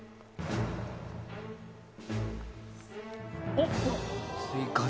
おっ！